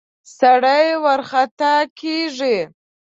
سړی ورخطا کېږي.